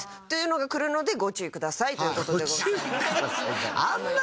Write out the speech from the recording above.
というのが来るのでご注意くださいという事でございます。